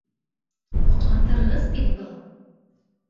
Һоҡландырғыс бит был!